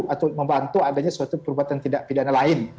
atau membantu adanya suatu perbuatan tidak pidana lain